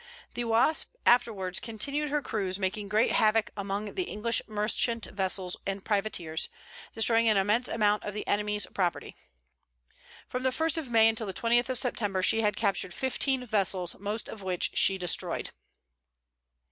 The Wasp afterwards continued her cruise, making great havoc among the English merchant vessels and privateers, destroying an immense amount of the enemies property. From the 1st of May until the 20th of September, she had captured fifteen vessels, most of which she destroyed.